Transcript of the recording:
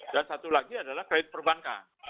dan satu lagi adalah kredit perbankan